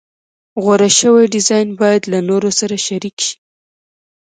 غوره شوی ډیزاین باید له نورو سره شریک شي.